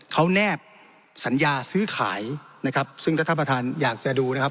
เขาแนบสัญญาซื้อขายซึ่งรัฐบาลอยากจะดูนะครับ